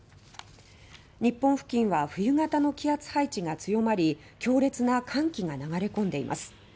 日本付近は冬型の気圧配置が強まり強烈な寒気が流れ込んでいます。